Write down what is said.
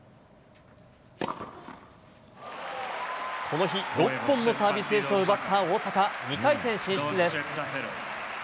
この日、６本のサービスエースを奪った大坂、２回戦進出です。